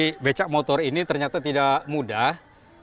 jadi becak motor ini ternyata tidak mudah